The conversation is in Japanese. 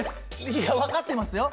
いや分かってますよ。